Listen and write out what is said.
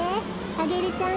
アゲルちゃん